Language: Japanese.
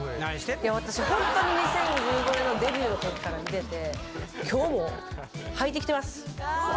私ほんとに２０１５年のデビューの時から見てて今日も履いてきてます。